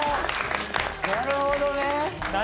なるほどね。何？